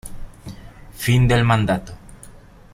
Fin del mandato